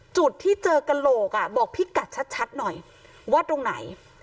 จุดที่เจอกระโหลกบอกพี่กัดชัดหน่อยว่าตรงไหน